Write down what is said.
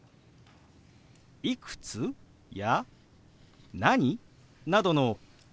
「いくつ？」や「何？」などのＷｈー